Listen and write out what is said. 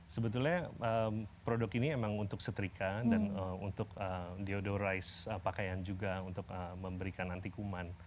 sebetulnya produk ini emang untuk setrika dan untuk theodorize pakaian juga untuk memberikan nanti kuman